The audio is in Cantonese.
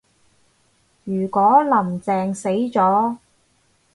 如果林鄭死咗